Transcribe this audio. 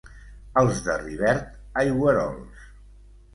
Els de Rivert, aigüerols.